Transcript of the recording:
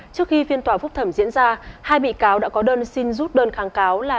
trước khi phiên tòa phúc thẩm diễn ra hai bị cáo đã có đơn xin rút đơn kháng cáo là